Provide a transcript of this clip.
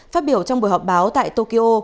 phát biểu trong buổi họp báo tại tokyo